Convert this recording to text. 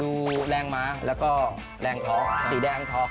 ดูแรงมากแล้วก็แรงท้อ